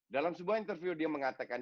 dalam sebuah interview dia mengatakan